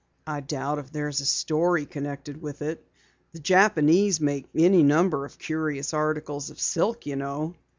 "I doubt if there's a story connected with it. The Japanese make any number of curious articles of silk, you know."